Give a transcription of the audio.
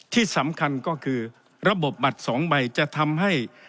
ที่สำคัญก็คือระบบบัตร๒ใบจะทำให้